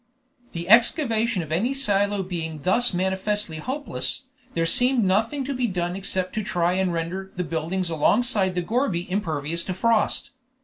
The excavation of any silo being thus manifestly hopeless, there seemed nothing to be done except to try and render the buildings alongside the gourbi impervious to frost.